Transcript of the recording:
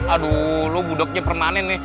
aduh lo gudoknya permanen nih